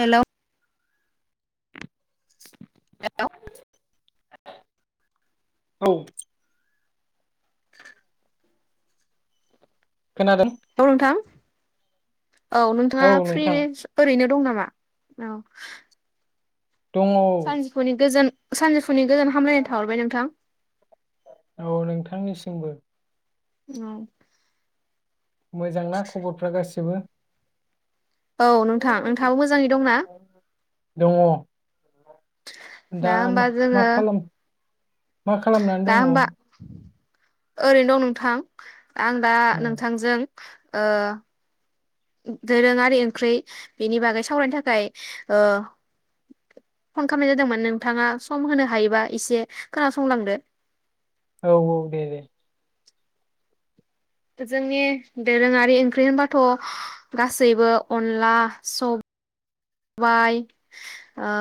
हेल हेल औ खोनादों औ नोंथां औ नोंथाङा फ्रि ओरैनो दं नामा औ दङ औ सानजौफुनि गोजोन सानजौफु फुनि गोजोन हामलायनाय थाहरबाय नोंथां औ नोंथांनिसिमबो औ मोजांना खबरफ्रा गासिबो? औ नोंथां नोंथाङाबो मोजाङै दंना? दङ दा होमबा जोङो मा-माखालाम मा खालामनानै दा दङ? होमबा ओरैनो दं नोंथां आं दा नोंथांजों ओ दोरोङारि ओंख्रै बेनि बागै सावरायनो थाखाय ओ- फन खालामनाय जादोंमोन नोंथाङा सम होनो हायोबा एसे खोनासंलांदो औ औ दे दे जोंनि दोरोङारि ओंख्रै होनबाथ गासैबो अनला सब-बाय ओ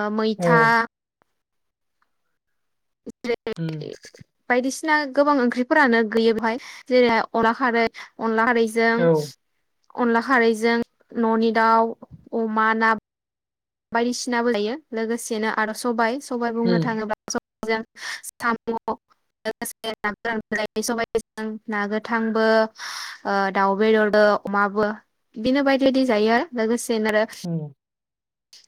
औ मैथा उम बिदनो गोबां ओंख्रिफोरानो गैयो बेहाय जेरैहाय अनला खारै अनला खारै जों औ अनला खारैजों ननि दाउ अमा ना बायदिसिनाबो लायो लोगोसेनो आरो सबाइ सबाय बुंनो उम थाङोबा जों साम लोगोसे ना गोरानजों सबायजों ना गोथांबो दाउ बेदरजों अमाबो बिदिनो बायदि बायदि जायो लोगोसे [unintelligible] आरो उम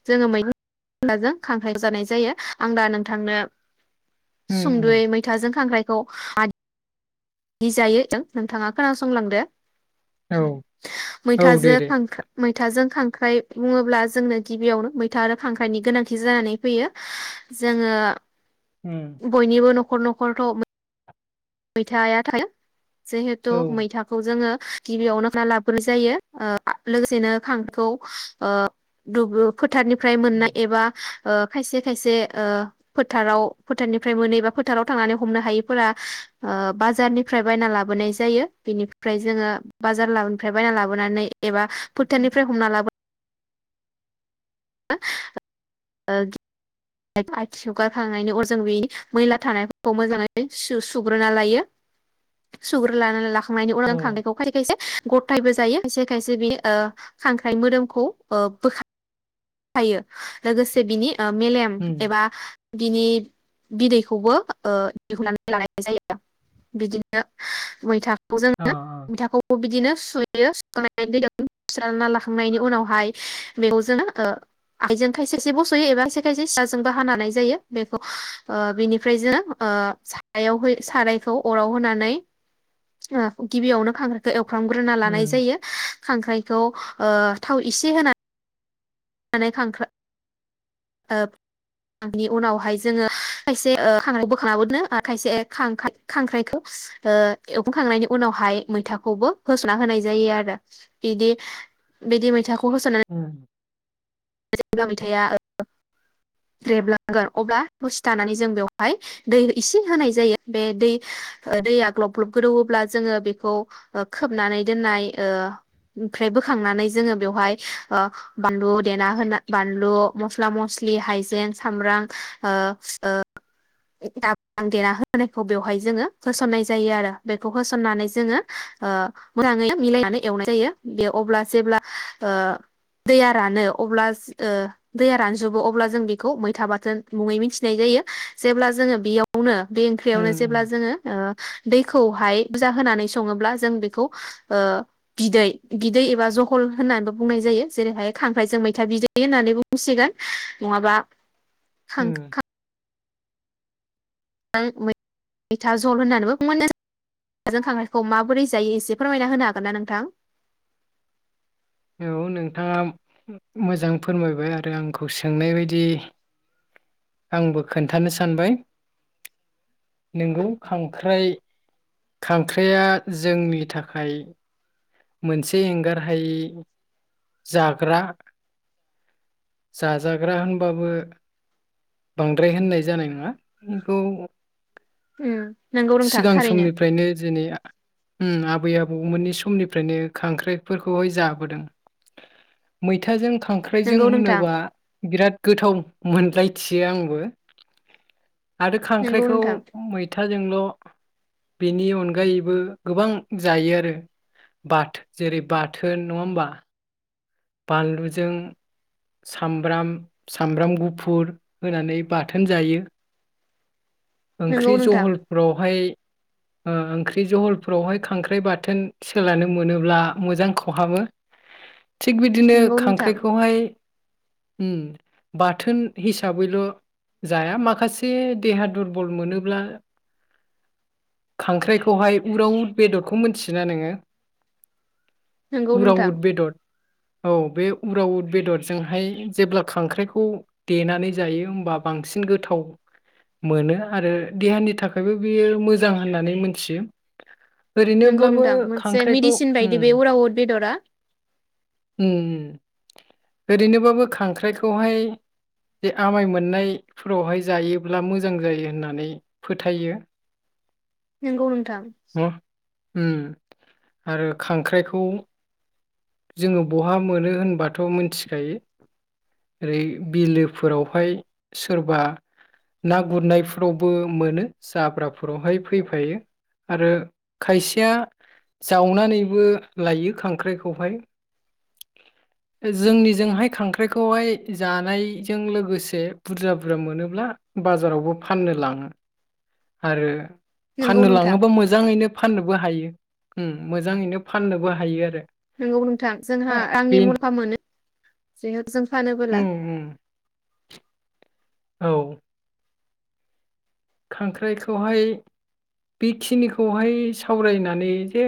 जोङो मैथाजों खांख्राय जानाय जायो आं दा नोंथांनो उम सुंदयै उम मैथाजों खांख्राय खौ मा दि जायो जों नोंथाङा खोनासंलांदो। औ औ दे मैथाजों दे। खांख्राइ मैथाजों खांख्राइ बुङोब्ला जोंनो गिबियावनो मैथा आरो खांख्राइनि गोनांथि जानानै फैयो जोङो उम बयनिबो नख खर नखरथ मैथाया थायो। जिहेथु औ मैथाखौ जोङो गिबियावनो खाना लाबग्रोनाय जायो ओ लोगोसेनो खांखौ ओ दुबु फोथारनि फ्राय मोननाय एबा ओ खायसे खायसे ओ फोथाराव फोथारनिफ्राय मोनो मेबा फोथाराव थांनानै हमनो हायैफोरा ओ बाजारनिफ्राय बायना लाबोनाय जायो बेनिफ्राय जोङो बाजार लाबोनिफ्राय बायना लाबोनानै एबा फोथारनिफ्राय हमना लाबो [unintelligible] ओ [unintelligible] मैला थानायफोरखौ मोजाङै सु सुग्रोना लायो सुग्रो लानानै ला खांनायनि औ उनआव खांनायखौ फारिखायसे गथायैबो जायो खायसे खायसे बेयो खांख्राइ मोदोमखौ ओ बोखा थायो लोगोसे बिनि मेलेम उम एबा बिनि बिदैखौबो ओ दिहुननानै लानाय जायो बिदिनो मैथा खौ अ जोङो मैथाखौबो बिदिनो सुयो सुखांनानै [inaudible] लाखांनायनि उनावहाय बेखौ जोङो ओ आखाइजों खायसे खायसे बसयो एबा खसे खायसे सिखाजोंबो हानो हानाय जायो बेखौ ओ बेनिफ्राय जों ओ सायाव होयो सारायखौ अराव होनानै गिबियावनो खांख्रायखौ एव फ्रामग्रोना लानाय उम जायो। खांख्राइखौ ओ थाव इसे होना नानै खांख्रा ओ बिनि उनावहाय जोङो खायसे ओ खांख्राइ बोखां नाबो दोनो ओ खायसे खांख्राइखौ ओ एवफ्राम खांनायनि उनावहाय मैथाखौबो होसना होनाय जायो आरो बिदि बिदि मैथाखौ खौ होसना उम जेब्ला मैथाया [inaudible] रेबलांगोन अब्ला दसे थानानै जों बेवहाय दै इसे होनाय जायो बे दै दैया ग्लब ग्लब गोदौहोब्ला जोङो बेखौ खोबनानै दोननाय ओ ओमफ्राय बोखांनानै जोङो बेवहाय ओ बानलु देना होना बानलु मस्ला मस्लि हाइजें सामब्राम ओ ओ जाब्रां देना होनायखौ बेवहाय जोङो होसन्नाय जायो आरो बेखौ होसन्नानै जोङो ओ मोजाङै मिलायनानै एवनाय जायो बे अब्ला जेब्ला ओ दैया रानो अब्ला ओ दैया रानजोबो अब्ला जों बेखौ मैथा बाथोन मुङै मिथिनाय जायो जेब्ला जोङो बेयावनो बे उम ओंख्रियावनो जेब्ला जोङो ओ दै खौ हाय बुजा होनानै संङोब्ला जों बेखौ ओ बिदै बिदै एबा जहल होननाबो बुंनाय जायो जेरैहाय खांख्रायजो मै मैथा बिदै होननानै बुंसिगोन नङाबा उम खां-खां मैथा जल होननानैबो बुंनोजों खांख्रराइखौ माबोरै जायो एसे फोरमायना होनो हागोन ना नोंथां? औ नोंथाङा मोजां फोरमायबाय आरो आंखौ सोंनाय बायदि आंबो खोन्थानो सानबाय नोंगौ खांख्राइ खांख्राइआ जोंनि थाखाय मोनसे एंगारहायि जाग्रा जाजाग्रा होनबाबो बांद्राय होननाय जानाय नङा [unintelligible] उम नंगौ नोंथां सिगां थारैनो समनिफ्रायनो जेनै उम आबै आबौ मोननि समनिफ्रायनो खांख्राइफोरखौहाय जाबोदों मैथाजों खा खांख्राइजों नंगौ नोंथां होनोबा बिराद गोथाव मोनलाय थियो आंबो आरो नंगौ खांख्राइखौ नोंथां मैथा था जोंल' बेनि अनगायैबो गोबां जायो आरो बाथो जेरै बाथोन नङा होमबा? बानलुजों सामब्राम सामब्राम गुफुर होनानै बाथोन जायो। नंगौ ओंख्रि नोंथां जहलफोरावहाय ओ ओंख्रि जहलफोरावहाय खांख्राइ बाथोन सोलानो मोनोब्ला मोजां खहाबो। थिग बिदिनो नंगौ नोंथां खांख्राइखौहाय उम बाथोन हिसाबैल' जाया माखासे देहा दुरबल मोनोब्ला खांख्राइखौहाय उरावउद बेदरखौ मोनथियोना नोङो? नंगौ नोंथां उरावउद बेदर। औ बे उरावउद बेदरजोंहाय जेब्ला खांख्राइखौ देनानै जायो होमबा बांसिन गोथाव मोनो आरो देहानि थाखायबो बेयो मोजां होननानै मोनथियो। नंगौ ओरैनोब्लाबो नोंथां मोनसे खांख्राइखौ मेडिसिन उम बायदि बे उरावउद बेदरा। उम ओरैनोबाबो खांख्राइखौहाय बे आमाय मोननायफोरावहाय जायोब्ला मोजां जायो होननानै फोथायो। नोंगौ नोंथां न उम आरो खांख्राइखौ जोङो बहा मोनो होनबाथ' मोनथिखायो ओरै बिलोफोरावहाय सोरबा ना गुरनायफोरावबो मोनो जाब्राफोरावहाय फैफायो आरो खायसेया जावनानैबो लायो खांख्राइखौहाय। जोंनि जोंहाय खांख्राइखौहाय जानायजों लोगोसे बुरजा बुरजा मोनोब्ला बाजारावबो फाननो लाङो आरो नंगौ फाननो नोंथां लाङोबा मोजाङैनो फाननोबो हायो। उम मोजाङैनो फाननोबो हायो आरो। नोंगौ नों थां जोंहा हा रांनि बे मुल्फा मोनो जेहत जों फानोबोला उम उम औ खांख्राइखौहाय बेखिनिखौहाय सावरायनानै जे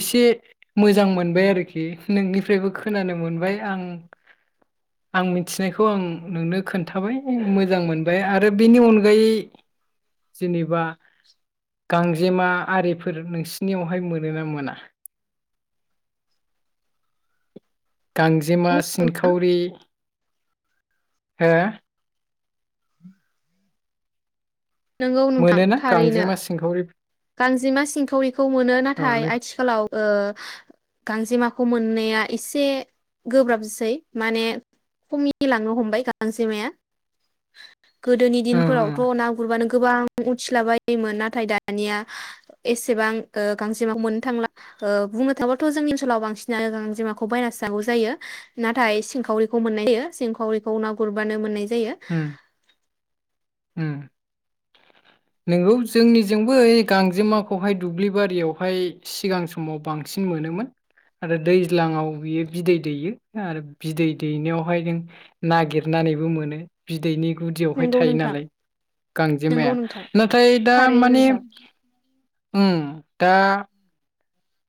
एसे मोजां मोनबाय आरोखि नोंनिफ्रायबो खोनानो मोनबाय आं आं मिथिनायखौ आं नोंनो खोन्थाबाय मोजां मोनबाय आरो बेनि अनगायै जेनेबा गांजेमा आरिफोर नोंसिनियावहाय मोनो ना मोना? गांजेमा, सिनखावरि हो नंगौ नोंथां मोनोना थारैनो गांजेमा सिंखावरि? गांजेमा सिंखावरिखौ मोनो नाथाय नों आथिखालाव ओ गांजेमा खौ मोननाया एसे गोब्राबसै माने खमि लांनो हमबाय गांजेमाया। गोदोनि ओं दिनफोरावथ' ना गुरबानो गोबां उथिलाबायोमोन नाथाय दा दानिया एसेबां ओ गांजेमाखौ मोननो थांला ओ बुंनो थाङोबाथ' जोंनि ओनसोलाव बांसिनानो गांजेमाखौ बायनासोनांगौ जायो नाथाय सिंखावरिखौ मोननाय जायो सिंखावरिखौ ना गुरबानो मोननाय जायो उम उम नंगौ जोंनिजोंबो ओइ गांजेमाखौहाय दुब्लि बारियावहाय सिगां समाव बांसिन मोनोमोन आरो दैज्लाङाव बियो बिदै दैयो आरो बिदै दैनायावहाय नों नागिरनानैबो मोनो। बिदैनि गुदियावहाय नंगौ थायो नोंथां नालाय नंगौ गांजेमाया नोंथां नाथाय दा थारैनो माने नोंथां ओम दा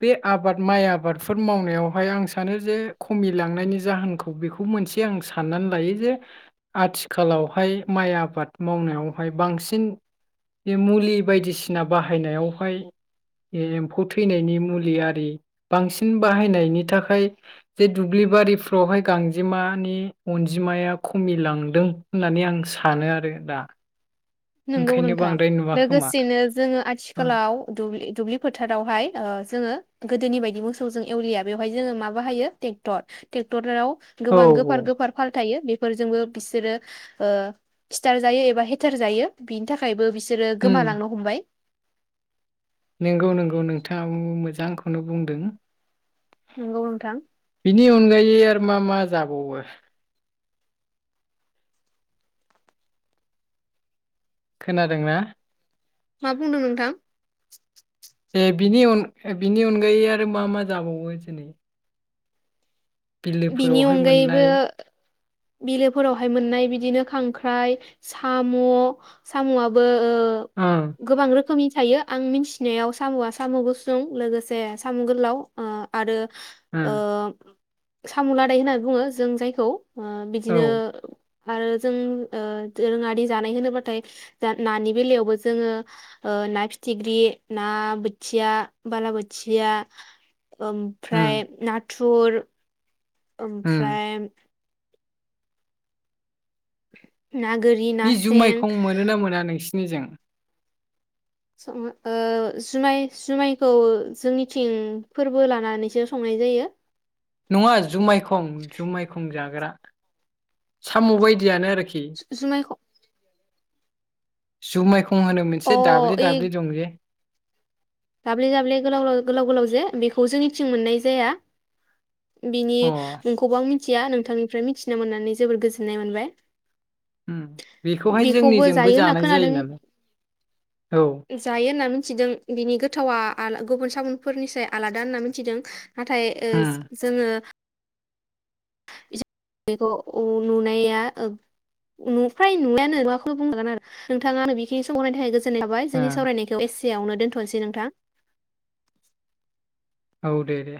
बे आबाद माइ आबादफोर मावनायावहाय आं सानो जे खमिलांनायनि जाहोनखौ बेखौ मोनसे आं साननानै लायो जे आथिखालावहाय माइ आबाद मावनायावहाय बांसिन बे मुलि बायदिसिना बाहायनायावहाय बे एम्फौ थैनायनि मुलि आरि बांसिन बाहायनायनि थाखाय जे दुब्लि बारिफ्रावहाय गांजेमानि अनजिमाया खमिलांदों होननानै आं सानो आरो दा नंगौ ओंखायनो नोंथां बांद्राय नुवा खोमा लोगोसेनो जोङो आथिखालाव दुब्लि दुब्लि फोथारावहाय ओ जोङो गोदोनि बायदि मोसौजों एवलिया बेवहाय जोङो माबा हायो ट्रेक्टर ट्रेक्टराव औ गोबां गोफार गोफार फार थायो बेफोरजोंबो बिसोरो ओ सिथार जायो एबा हेथेर जायो बिनि थाखायबो बिसो बिसोरो उम गोमालांनो हमबाय नंगौ नंगौ नोंथाङाबो मोज ना आंखौनो बुंदों? नंगौ नोंथां बिनि अनगायै आरो मा मा जाबावो? खोनादोंना? मा बुंदों नोंथां? ए बिनि अन अनगायै बिनि अनगायै आरो मा मा जाबावो दिनै? बिनि अनगायैबो मोननाय बिलोफोरावहाय मोननाय बिदिनो खांख्राइ साम' साम'आबो ओ ओं गोबां रोखोमनि थायो आं मिथिनायाव साम'आ साम' गुसुं लोगोसे साम' गोलाव ओ आरो ओं ओम सामु लादाय होननानै बुङो जों जायखौ ओ औ बिदिनो आरो जों ओ दोरोङारि जानाय होनोब्लाथाय नानि बेलायावबो जोङो ओ ना फिथिख्रि ना बोथिया बालाबोथिया उम ओमफ्राय नाथ थुर उम ओमफ्राय ना गोरि बि ना सें जुमायखौ मोनोना मोना नोंसिन निजों? सङो ओ जुमाय जुमायखौ जोंनिथिं फोरबो लानानैसो संनाय जायो। नङा जुमाय खं जुमाय खं जाग्रा। साम' बायदियानो आरोखि। जुमायख' जुमाय थंहानो अ मोनसे दाब्लि ओइ दाब्लि दं जे। दाब्ले दाब्ले गोलाव गोलाव गोलाव जे बेखौ जोंनिथिं मोननाय जाया। बिनि अ गुबां मि मिथिया नोंथांनिफ्राय मिथिनो मोननानै जोबोर गोजोननाय मोनबाय। उम बेखौहाय बेखौबो जोंनिजोंबो जायो होनना जानाय खोनादों जायो नालाय औ। जायो होनना मिथिदों बिनि गो गोथावा गुबुन सामुफोरनिसाय आलादा होनना मिथिदों। नाथाय ओ उम जोङो। बेखौ औ नुनाया फ्राय नुनायानो नंला बुंजागोन आरो नोंथाङानो बेखिनि सम होनायनि थाखाय गोजोन थाबाय ओ जोंनि सावरायनायखौ एसे। एसेआवनो दोनथनोसै नोंथां। औ दे दे।